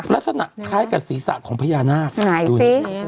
ลักษณะคล้ายกับศีรษะของพญานาคตุ่น